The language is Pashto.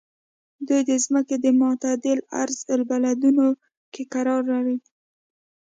دوی د ځمکې په معتدلو عرض البلدونو کې قرار لري.